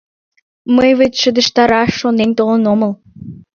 Мый вет шыдештараш шонен толын омыл.